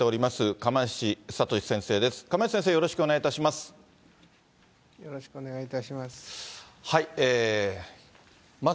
釜萢先生、よろしくお願いします。